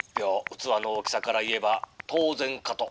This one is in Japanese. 器の大きさから言えば当然かと。